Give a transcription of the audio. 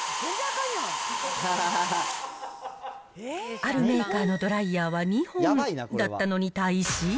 あるメーカーのドライヤーは２本だったのに対し。